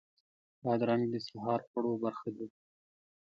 بادرنګ د سهار خوړو برخه ده.